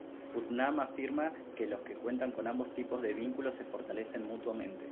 Putnam afirma que los que cuentan con ambos tipos de vínculo se fortalecen mutuamente.